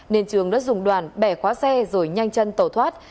nên trường đã dùng đoàn bẻ khóa xe rồi nhanh chân tẩu thoát